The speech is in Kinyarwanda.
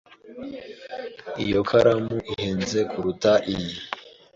Iyo karamu ihenze kuruta iyi.